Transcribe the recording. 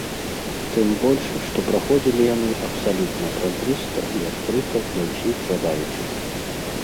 Тым больш, што праходзілі яны абсалютна празрыста і адкрыта для ўсіх жадаючых.